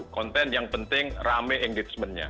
konten yang penting rame engagementnya